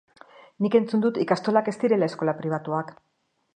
Nik entzun dut ikastolak ez direla eskola pribatuak.